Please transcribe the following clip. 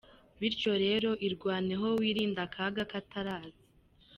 Bityo rero irwaneho wirinde akaga kataraza.